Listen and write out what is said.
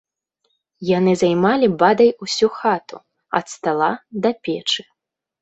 Яны займалі бадай усю хату ад стала да печы.